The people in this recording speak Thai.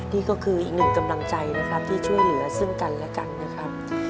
นี่ก็คืออีกหนึ่งกำลังใจนะครับที่ช่วยเหลือซึ่งกันและกันนะครับ